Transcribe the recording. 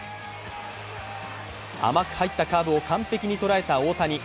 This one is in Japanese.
甘く入ったカーブを完璧に捉えた大谷。